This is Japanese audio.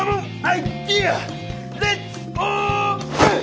レッツオープン！